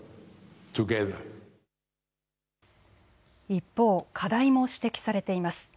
一方、課題も指摘されています。